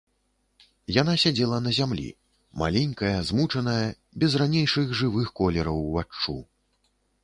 Яна сядзела на зямлі, маленькая, змучаная, без ранейшых жывых колераў уваччу.